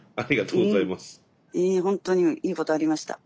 うん本当にいいことありました。